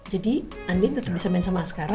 jadi andi tetap bisa main sama askara